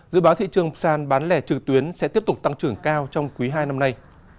dự báo thị trường sàn bán lẻ trực tuyến sẽ tiếp tục tăng trưởng cao trong quý hai năm nay